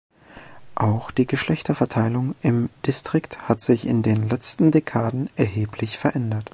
Auch die Geschlechterverteilung im Distrikt hat sich in den letzten Dekaden erheblich verändert.